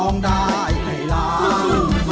ร้องได้ไข่ล้าง